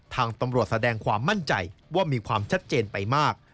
ทางตำรวจแสดงความมั่นใจว่ามีความชัดเจนไปมาก